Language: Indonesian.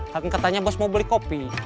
tak ngetanya bos mau beli kopi